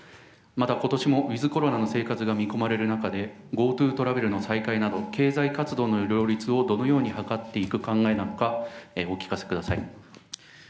またことしも、ウィズコロナの生活が見込まれる中で、ＧｏＴｏトラベルの再開など、経済活動の両立をどのように図っていく考えなのか、お聞かせくだ